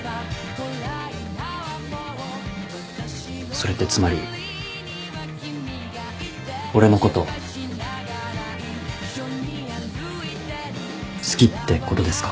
それってつまり俺のこと好きってことですか？